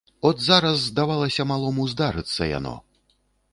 От зараз, здавалася малому, здарыцца яно.